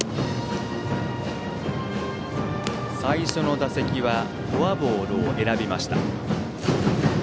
最初の打席はフォアボールを選びました。